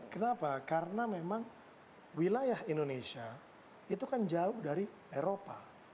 kenapa karena memang wilayah indonesia itu kan jauh dari eropa